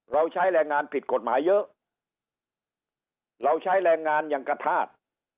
เราใช้แรงงานผิดกฎหมายเยอะเราใช้แรงงานอย่างกระทาส